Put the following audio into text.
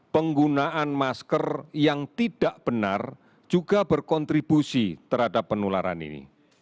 penggunaan masker yang tidak benar juga berkontribusi terhadap penularan ini